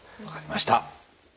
分かりました。